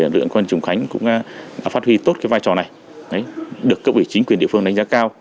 lượng huyện trùng khánh cũng phát huy tốt vai trò này được cộng vệ chính quyền địa phương đánh giá cao